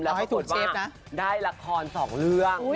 แล้วปรากฏว่าได้ละครสองเรื่อง